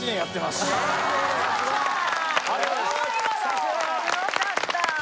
・すごかった